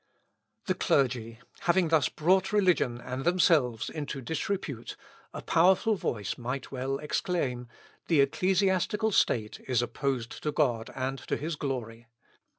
The clergy having thus brought religion and themselves into disrepute, a powerful voice might well exclaim, "The ecclesiastical state is opposed to God and to his glory.